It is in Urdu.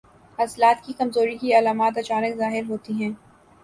عضلات کی کمزوری کی علامات اچانک ظاہر ہوتی ہیں